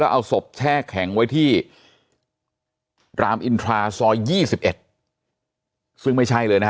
เอาศพแช่แข็งไว้ที่รามอินทราซอย๒๑ซึ่งไม่ใช่เลยนะฮะ